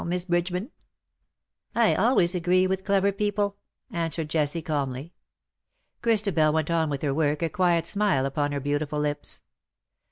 Miss Bridgeman ?"'^ I always agree with clever people,"" answered Jessie, calmly. Christabel went on with her work, a quiet smile upon her beautiful lips.